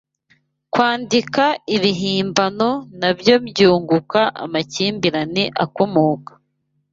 Kwandika ibihimbano nabyo byunguka amakimbirane akomoka